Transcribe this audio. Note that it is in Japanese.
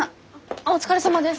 お疲れさまです。